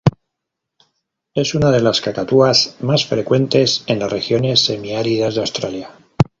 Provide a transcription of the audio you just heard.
Es una de las cacatúas más frecuentes en las regiones semiáridas de Australia.